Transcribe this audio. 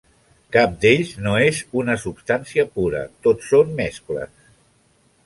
Cap d'ells, no és una substància pura, tot són mescles.